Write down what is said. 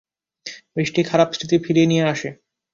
বৃষ্টি খারাপ স্মৃতি ফিরিয়ে নিয়ে আসে।